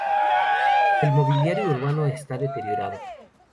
El mobiliario urbano está muy deteriorado.